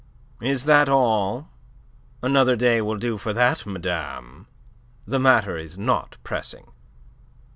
"Is that all? Another day will do for that, madame. The matter is not pressing."